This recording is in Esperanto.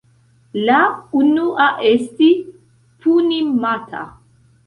La unua esti Puni-mata.